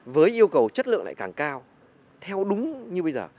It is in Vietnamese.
với yêu cầu chất lượng lại càng cao theo đúng như bây giờ